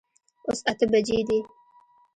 اوس اته بجي دي